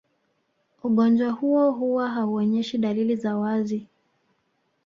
Ugonjwa huo huwa hauonyeshi dalili za wazi